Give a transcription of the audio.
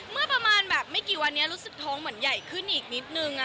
เมื่อประมาณแบบไม่กี่วันนี้รู้สึกท้องเหมือนใหญ่ขึ้นอีกนิดนึง